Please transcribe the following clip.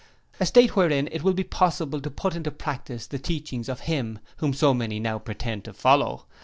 'A State wherein it will be possible to put into practice the teachings of Him whom so many now pretend to follow.